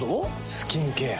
スキンケア。